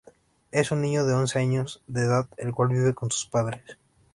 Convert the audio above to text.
Es un niño de once años de edad, el cual vive con sus padres.